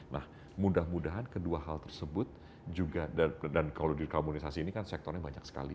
nah mudah mudahan kedua hal tersebut juga dan kalau dikomunisasi ini kan sektornya banyak sekali